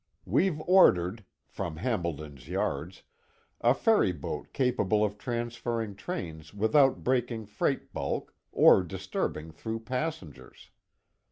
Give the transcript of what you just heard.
We've ordered, from Hambleton's yards, a ferry boat capable of transferring trains without breaking freight bulk, or disturbing through passengers.